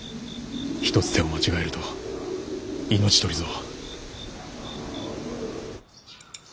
一つ手を間違えると命取りぞ。